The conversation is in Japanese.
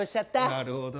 なるほど。